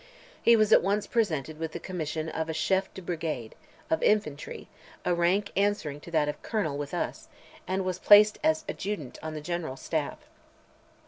He was at once presented with the commission of a chef de brigade of infantry—a rank answering to that of colonel with us—and was placed as adjutant on the general's staff.